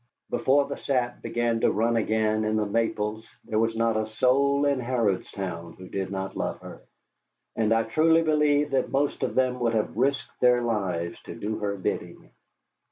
Before the sap began to run again in the maples there was not a soul in Harrodstown who did not love her, and I truly believe that most of them would have risked their lives to do her bidding.